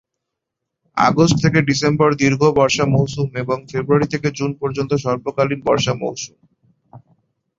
August থেকে December দীর্ঘ বর্ষা মৌসুম এবং ফেব্রুয়ারি থেকে জুন পর্যন্ত স্বল্পকালীন বর্ষা মৌসুম।